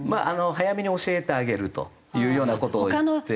早めに教えてあげるというような事を言って。